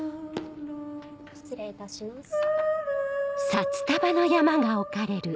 失礼いたします。